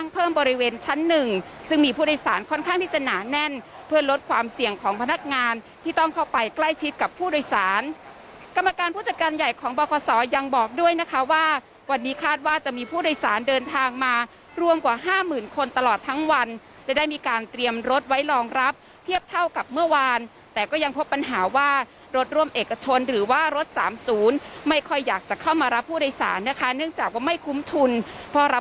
เพื่อลดความเสี่ยงของพนักงานที่ต้องเข้าไปใกล้ชิดกับผู้โดยสารกรรมการผู้จัดการใหญ่ของบศยังบอกด้วยนะคะว่าวันนี้คาดว่าจะมีผู้โดยสารเดินทางมารวมกว่า๕๐๐๐๐คนตลอดทั้งวันและได้มีการเตรียมรถไว้รองรับเทียบเท่ากับเมื่อวานแต่ก็ยังพบปัญหาว่ารถร่วมเอกชนหรือว่ารถ๓๐ไม่ค่อยอยากจะเข้ามารับ